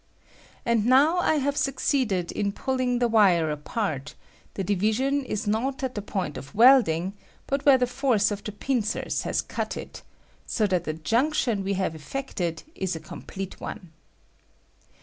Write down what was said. And now I have succeeded in pulling the wire N r 1 194 COMPOSITION OF PLATINUM OBB. apart, the division is not at the point of welding, but where the force of the pincers has cut it, so that the junction we have effected is a complete one.